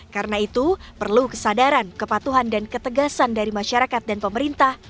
karena itu perlu kesadaran kepatuhan dan ketegasan dari masyarakat dan pemerintah